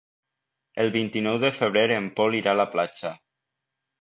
El vint-i-nou de febrer en Pol irà a la platja.